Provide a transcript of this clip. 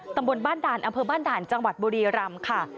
ตำบลบ้านด่านอำเภอบ้านด่านจังหวัดบุรีรำค่ะ